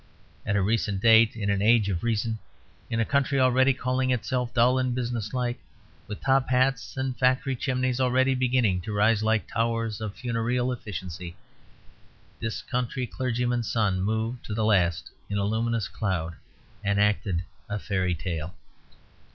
At a recent date, in an age of reason, in a country already calling itself dull and business like, with top hats and factory chimneys already beginning to rise like towers of funereal efficiency, this country clergyman's son moved to the last in a luminous cloud, and acted a fairy tale.